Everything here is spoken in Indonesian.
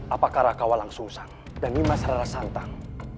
apakah raka walang sungsang dan nimas rara santang